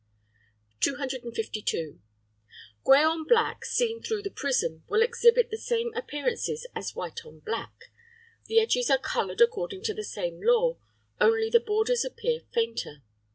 252. Grey on black, seen through the prism, will exhibit the same appearances as white on black; the edges are coloured according to the same law, only the borders appear fainter.